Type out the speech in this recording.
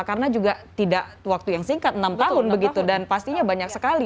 karena juga tidak waktu yang singkat enam tahun begitu dan pastinya banyak sekali